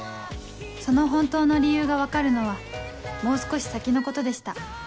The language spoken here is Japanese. その本当の理由が分かるのはもう少し先のことでした